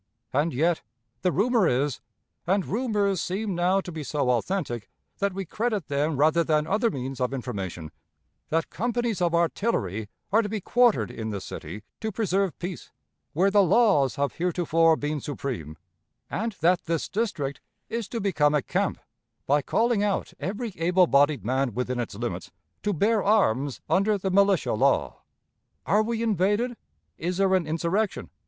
And yet the rumor is and rumors seem now to be so authentic that we credit them rather than other means of information that companies of artillery are to be quartered in this city to preserve peace, where the laws have heretofore been supreme, and that this District is to become a camp by calling out every able bodied man within its limits to bear arms under the militia law. Are we invaded? Is there an insurrection?